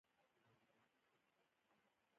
که پردۍ کلمې عامې شي ژبه بدلېږي.